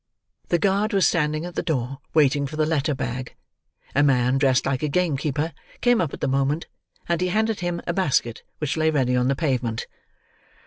The guard was standing at the door, waiting for the letter bag. A man, dressed like a game keeper, came up at the moment, and he handed him a basket which lay ready on the pavement.